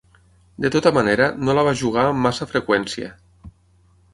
De tota manera, no la va jugar amb massa freqüència.